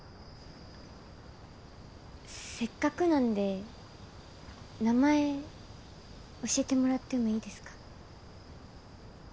せっかくなんで名前教えてもらっても良いですか？